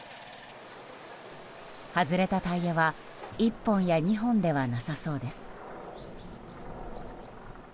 外れたタイヤは１本や２本ではなさそうです。